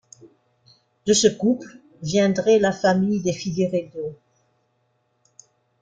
De ce couple viendrait la famille des Figueiredo.